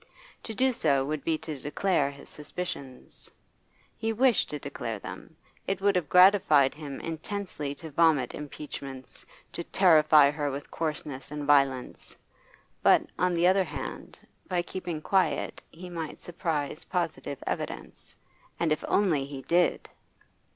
To do so would be to declare his suspicions. He wished to declare them; it would have gratified him intensely to vomit impeachments, to terrify her with coarseness and violence; but, on the other hand, by keeping quiet he might surprise positive evidence, and if only he did!